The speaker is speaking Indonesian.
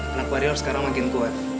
anak warior sekarang makin kuat